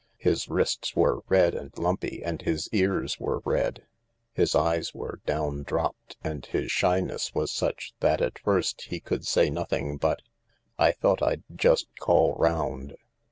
His wrists were red and lumpy and his ears were red. His eyes were down dropped, and his shyness was such that at first he could say nothing but :" I thought I'd just call round."